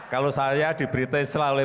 kalau saya diberitahui selalu